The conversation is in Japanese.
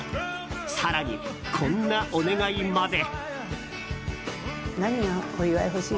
更に、こんなお願いまで。